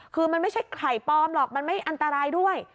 คือมันไม่ใช่ไข่ปลอมหรอกมันไม่อันตรายด้วย